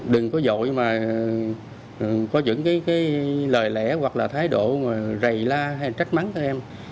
đừng có dội mà có những lời lẽ hoặc là thái độ rầy la hay trách mắng các em